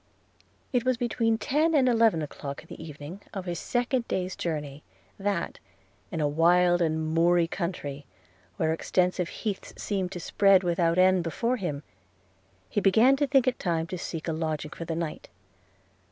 It was between ten and eleven o'clock in the evening of his second day's journey, that, in a wild and moory country, where extensive heaths seemed to spread without end before him, he began to think it time to seek a lodging for the night.